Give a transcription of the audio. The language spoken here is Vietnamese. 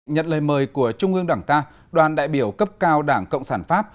nhận lời mời của trung ương đảng ta đoàn đại biểu cấp cao đảng cộng sản pháp